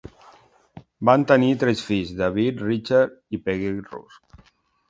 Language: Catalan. Van tenir tres fills: David, Richard i Peggy Rusk.